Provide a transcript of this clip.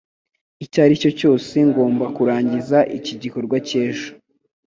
Icyaricyo cyose, ngomba kurangiza iki gikorwa ejo.